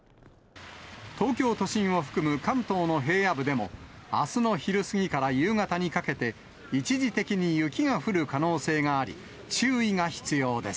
東京都心を含む関東の平野部でも、あすの昼過ぎから夕方にかけて、一時的に雪が降る可能性があり、注意が必要です。